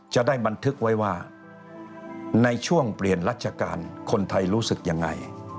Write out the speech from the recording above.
จะได้บันทึกไว้ว่าในช่วงเปลี่ยนราชการคนไทยรู้สึกยังไง